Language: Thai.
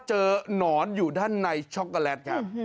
เจอนอนอยู่ด้านในช็อกโกแลต